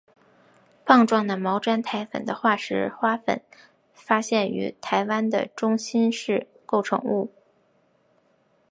棒状毛毡苔粉的化石花粉发现于台湾的中新世构成物。